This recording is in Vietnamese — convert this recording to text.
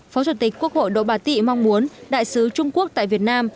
phó chủ tịch quốc hội đỗ bà tị mong muốn đại sứ trung quốc tại việt nam